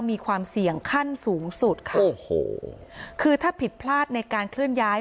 มีความเสี่ยงขั้นสูงสุดค่ะโอ้โหคือถ้าผิดพลาดในการเคลื่อนย้าย